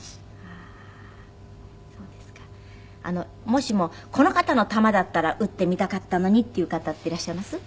もしもこの方の球だったら打ってみたかったのにっていう方っていらっしゃいます？